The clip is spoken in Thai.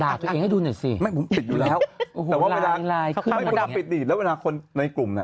ด่าตัวเองให้ดูหน่อยสิไม่ผมปิดอยู่แล้วแต่ว่าเวลาคนในกลุ่มน่ะ